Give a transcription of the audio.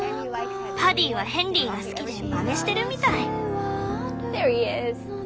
パディはヘンリーが好きでまねしてるみたい。